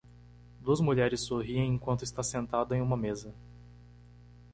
Duas mulheres sorriem enquanto está sentado em uma mesa